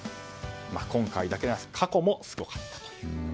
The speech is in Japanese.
今回だけではなく過去もすごかったという。